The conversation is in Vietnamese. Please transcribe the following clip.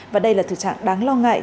và đây là thực trạng đáng lo ngại